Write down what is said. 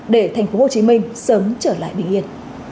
để tp hcm sớm trở lại bình yên